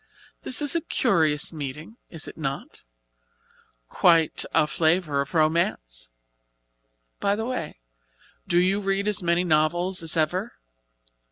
"This is a curious meeting, is it not? quite a flavor of romance! By the way, do you read as many novels as ever?"